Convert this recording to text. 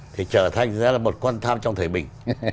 thì trở thành ra là một quan tham trong thời bình